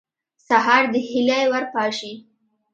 سهار د هیلې ور پاشي.